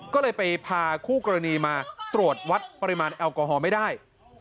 ก็เลยไปพาคู่กรณีมาตรวจวัดปริมาณแอลกอฮอลไม่ได้